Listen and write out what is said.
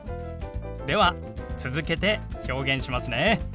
では続けて表現しますね。